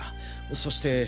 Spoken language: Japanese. そして。